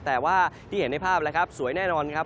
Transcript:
แต่ว่าที่เห็นในภาพแล้วครับสวยแน่นอนครับ